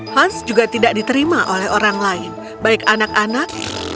hans juga tidak diterima oleh orang lain baik anak anak